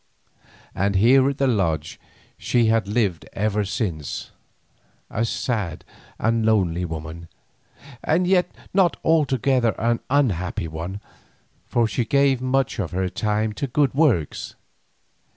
And here at the Lodge she had lived ever since, a sad and lonely woman, and yet not altogether an unhappy one, for she gave much of her time to good works.